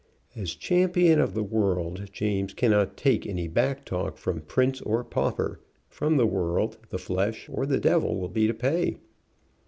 As champion of the world James cannot take any back talk from prince or pauper, from the world, the flesh, or the devil will be to pay.